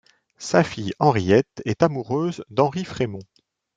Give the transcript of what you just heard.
Sa fille, Henriette, est amoureuse d'Henri Frémont.